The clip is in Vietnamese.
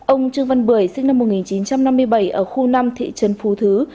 ông trương văn bưởi sinh năm một nghìn chín trăm năm mươi bảy ở khu năm thị trấn phú thứ